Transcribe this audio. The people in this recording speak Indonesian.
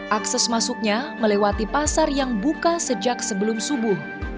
akses masuknya melewati pasar yang buka sejak sebelum subuh